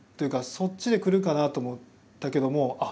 そっちでくるかなと思ったけどもあっ